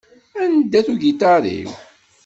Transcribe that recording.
Anda-t ugiṭar-iw?